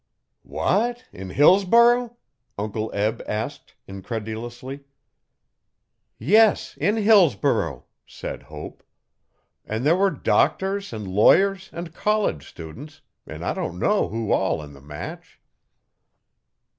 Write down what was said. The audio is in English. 'What! In Hillsborough?' Uncle Eb asked incredulously. 'Yes, in Hillsborough,' said Hope, 'and there were doctors and lawyers and college students and I don't know who all in the match.'